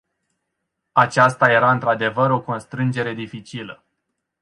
Aceasta era într-adevăr o constrângere dificilă.